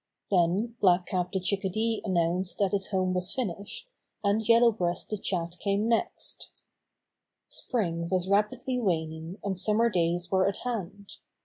Then Black Cap the Chickadee announced that his home was finished, and Yellow Breast the Chat came next. Spring was rapidly waning and summer days were at hand.